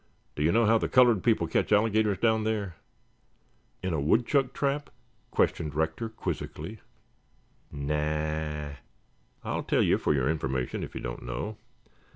Do you know how the colored people catch alligators down there?" "In a woodchuck trap?" questioned Rector quizzically. "Na a a a! I'll tell you for your information, if you don't know.